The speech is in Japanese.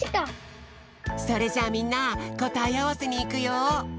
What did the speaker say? それじゃあみんなこたえあわせにいくよ！